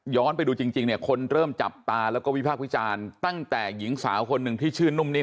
ไปดูจริงเนี่ยคนเริ่มจับตาแล้วก็วิพากษ์วิจารณ์ตั้งแต่หญิงสาวคนหนึ่งที่ชื่อนุ่มนิ่